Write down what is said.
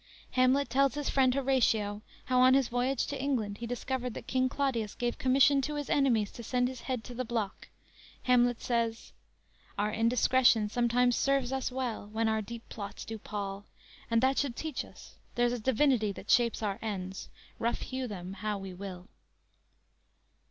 "_ Hamlet tells his friend, Horatio, how on his voyage to England he discovered that King Claudius gave commission to his enemies to send his head to the block. Hamlet says: _"Our indiscretion sometimes serves us well, When our deep plots do pall; and that should teach us There's a Divinity that shapes our ends, Rough hew them how we will."